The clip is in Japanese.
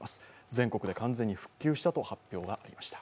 全国で完全に復旧したと発表がありました。